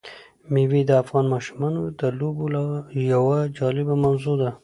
مېوې د افغان ماشومانو د لوبو یوه جالبه موضوع ده.